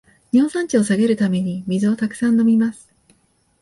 尿酸値を下げるために水をたくさん飲みます